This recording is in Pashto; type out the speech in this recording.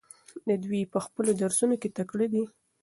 دوی په خپلو درسونو کې تکړه دي.